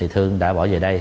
thương đã bỏ về đây